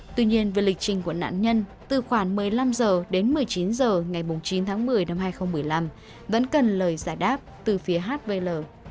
tuy nhiên về lịch trình của nạn nhân từ khoảng một mươi năm h đến một mươi chín h ngày chín tháng một mươi năm hai nghìn một mươi năm vẫn cần lời giải đáp từ phía hvl